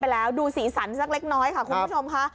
ดูแล้วดูสีสันสักเล็กน้อยค่ะคุณผู้ชมค่ะ